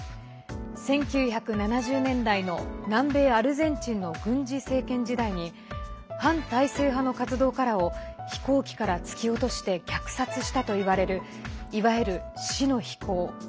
１９７０年代の南米アルゼンチンの軍事政権時代に反体制派の活動家らを飛行機から突き落として虐殺したといわれるいわゆる死の飛行。